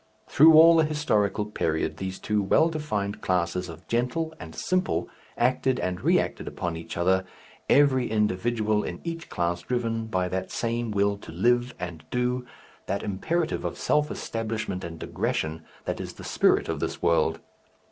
Through all the historical period these two well defined classes of gentle and simple acted and reacted upon each other, every individual in each class driven by that same will to live and do, that imperative of self establishment and aggression that is the spirit of this world.